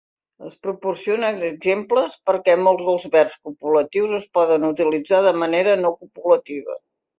Es proporcionen exemples perquè molts dels verbs copulatius es poden utilitzar de manera no copulativa.